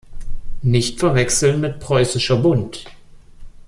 Nicht verwechseln mit Preußischer Bund.